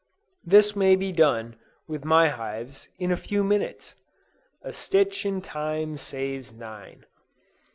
This may be done, with my hives, in a few minutes. "A stitch in time saves nine."